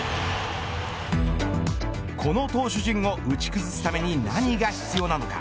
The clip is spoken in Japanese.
この投手陣を打ち崩すために何が必要なのか。